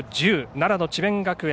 奈良の智弁学園